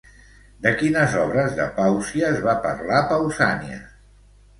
De quines obres de Pàusies va parlar Pausanias?